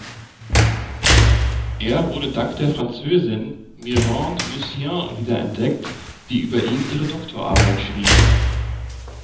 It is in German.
Er wurde dank der Französin Mirande Lucien wiederentdeckt, die über ihn ihre Doktorarbeit schrieb.